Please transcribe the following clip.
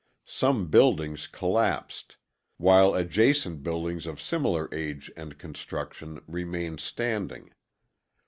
Some buildings collapsed, while adjacent buildings of similar age and construction remained standing.